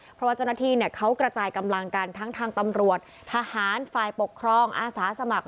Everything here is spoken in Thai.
เพราะว่าเจ้าหน้าที่เขากระจายกำลังกันทั้งทางตำรวจทหารฝ่ายปกครองอาสาสมัคร